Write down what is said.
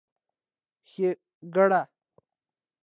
ښېګړه